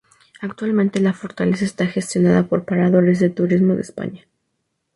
Actualmente la fortaleza esta gestionada por Paradores de Turismo de España.